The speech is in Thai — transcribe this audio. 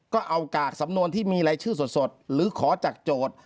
ก็เอากากสำนวนที่มีรายชื่อสดหรือขอจากโจทย์